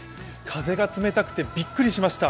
風が冷たくてビックリしました。